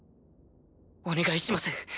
お願いします